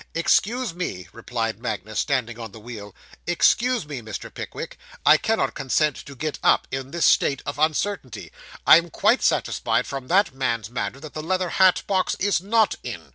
'Excuse me,' replied Magnus, standing on the wheel. 'Excuse me, Mr. Pickwick. I cannot consent to get up, in this state of uncertainty. I am quite satisfied from that man's manner, that the leather hat box is not in.